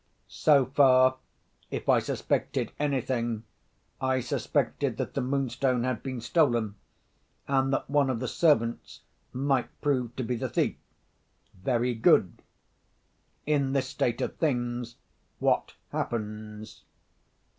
So far, if I suspected anything, I suspected that the Moonstone had been stolen, and that one of the servants might prove to be the thief. Very good. In this state of things, what happens?